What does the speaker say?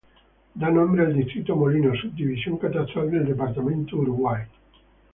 Da nombre al "Distrito Molino", subdivisión catastral del Departamento Uruguay.